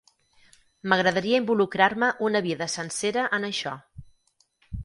M'agradaria involucrar-me una vida sencera en això.